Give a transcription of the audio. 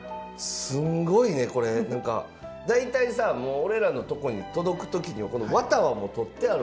すんごいねこれ何か大体さもう俺らのとこに届く時にはこのワタはもう取ってあるもんね。